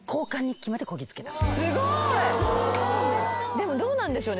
でもどうなんでしょうね